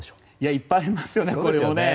いっぱいありますよね。